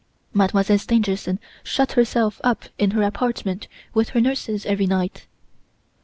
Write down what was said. Mademoiselle Stangerson shuts herself up in her apartment with her nurses every night.